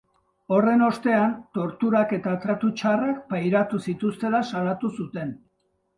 Horren ostean, torturak eta tratu txarrak pairatu zituztela salatu zuten.